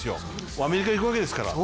アメリカ行くわけですから。